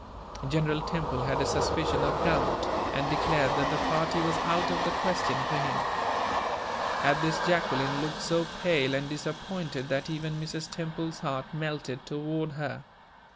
General Temple had a suspicion of gout, and declared that the party was out of the question for him. At this, Jacqueline looked so pale and disappointed that even Mrs. Temple's heart melted toward her.